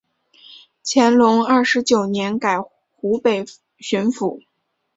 乾隆二十九年改湖北巡抚。